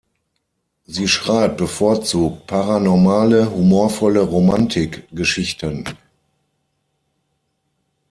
Sie schreibt bevorzugt paranormale, humorvolle Romantik-Geschichten.